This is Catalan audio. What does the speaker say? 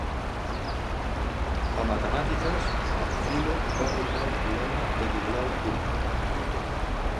A matemàtiques, Philo va abordar el problema de doblar el cub.